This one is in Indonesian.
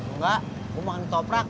enggak gue makan ketoprak